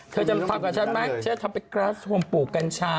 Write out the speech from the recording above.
เธอจะทำกับฉันไหมฉันจะทำเป็นกราสโฮมปลูกกัญชา